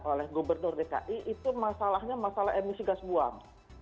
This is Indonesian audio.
oleh gubernur dki itu masalahnya masalah emisi gas buang